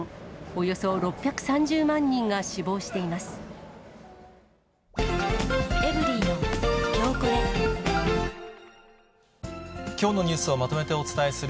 およそ６３０万人が死亡しています。